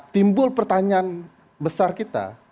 timbul pertanyaan besar kita